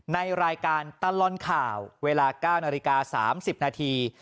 ในรายการตลอดข่าวเวลา๙นาฬิกา๓๐นาที